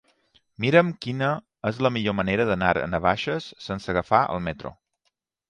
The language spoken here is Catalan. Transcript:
Mira'm quina és la millor manera d'anar a Navaixes sense agafar el metro.